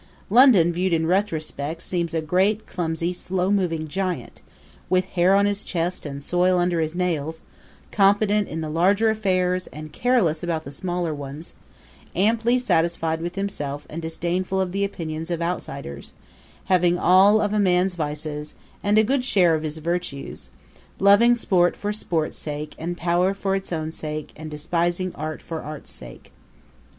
London, viewed in retrospect, seems a great, clumsy, slow moving giant, with hair on his chest and soil under his nails; competent in the larger affairs and careless about the smaller ones; amply satisfied with himself and disdainful of the opinions of outsiders; having all of a man's vices and a good share of his virtues; loving sport for sport's sake and power for its own sake and despising art for art's sake.